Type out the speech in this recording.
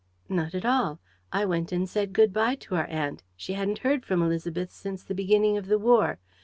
"Not at all. I went and said good bye to our aunt: she hadn't heard from Élisabeth since the beginning of the war.